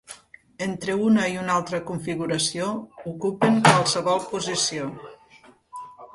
Entre una i una altra configuració ocupen qualsevol posició.